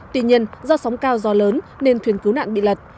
tuy nhiên do sóng cao do lớn nên thuyền cứu nạn bị lật